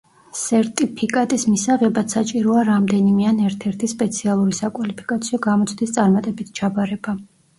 სერტიფიკატის მისაღებად საჭიროა რამდენიმე ან ერთ-ერთი სპეციალური საკვალიფიკაციო გამოცდის წარმატებით ჩაბარება.